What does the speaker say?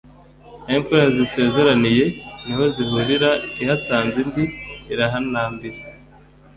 aho imfura zisezeraniye niho zihurira ihatanze indi irahanambira »